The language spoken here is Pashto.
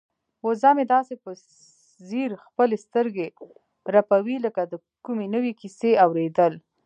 وزه مې داسې په ځیر خپلې سترګې رپوي لکه د کومې نوې کیسې اوریدل.